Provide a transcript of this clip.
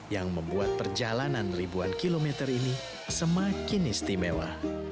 yang membuat perjalanan ribuan kilometer ini semakin istimewa